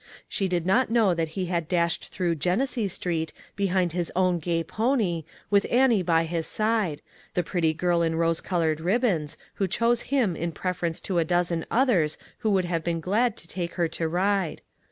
She did not know that he had dashed through Genesee Street behind his owu gay pony, with Annie by his side; the pretty girl in rose colored ribbons, who chose him in preference to a dozen others who would have been glad to take her to ride.